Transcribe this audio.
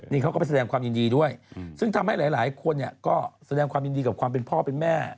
นี่เขาก็ไปแสดงความยินดีด้วยซึ่งทำให้หลายคนเนี่ยก็แสดงความยินดีกับความเป็นพ่อเป็นแม่